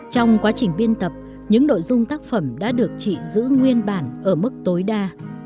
trong quá trình biên tập những nội dung tác phẩm đã được chị giữ nguyên bản ở mức tối đa